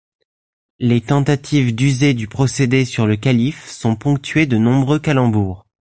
Les tentatives d'user du procédé sur le Calife sont ponctuées de nombreux calembours.